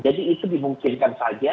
jadi itu dimungkinkan saja